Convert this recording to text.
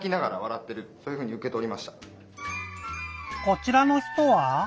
こちらの人は？